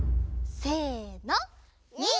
せの。